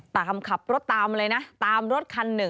ตามขับรถตามเลยนะตามรถคัน๑